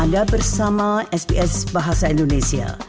anda bersama sps bahasa indonesia